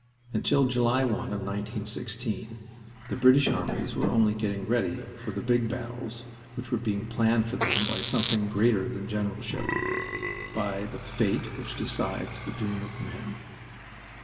Until July 1 of 1916 the British armies were only getting ready for the big battles which were being planned for them by something greater than generalship by the fate which decides the doom of men.